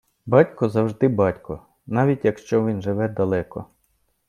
Батько – завжди батько, навіть якщо він живе далеко.